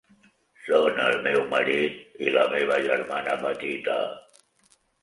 Són el meu marit i la meva germana petita.